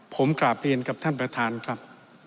ผมกราบเรียนกับท่านประธานครับ